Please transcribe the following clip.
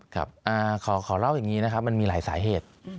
ขอเล่าอย่างนี้นะครับมันมีหลายสาเหตุ